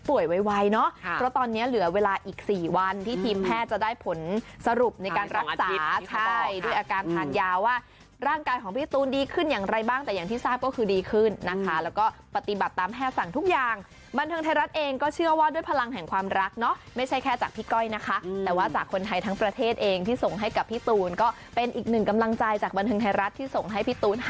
เวลาอีก๔วันที่ทีมแพทย์จะได้ผลสรุปในการรักษาใช่ด้วยอาการทานยาวว่าร่างกายของพี่ตูนดีขึ้นอย่างไรบ้างแต่อย่างที่ทราบก็คือดีขึ้นนะคะแล้วก็ปฏิบัติตามแพทย์สั่งทุกอย่างบันทึงไทยรัฐเองก็เชื่อว่าด้วยพลังแห่งความรักเนาะไม่ใช่แค่จากพี่ก้อยนะคะแต่ว่าจากคนไทยทั้งประเทศเองที่ส่งให้